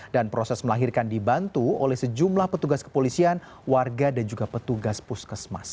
dan proses melahirkan dibantu oleh sejumlah petugas kepolisian warga dan juga petugas puskesmas